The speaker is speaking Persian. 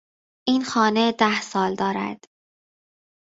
این خانه ده سال دارد.